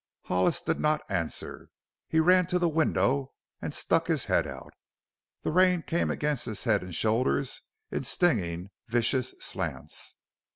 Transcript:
Hollis did not answer. He ran to the window and stuck his head out. The rain came against his head and shoulders in stinging, vicious slants.